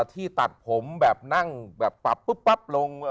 ที่ตัดผมแบบนั่งแบบปรับปุ๊บปั๊บลง